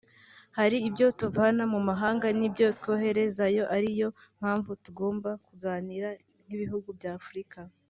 Hari ibyo tuvana mu mahanga n’ibyo twoherezayo ari yo mpamvu tugomba kuganira nk’ibihugu bya Afurika